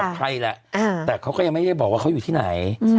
รอใครแหละอ่าแต่เขาก็ยังไม่ได้บอกว่าเขาอยู่ที่ไหนอืม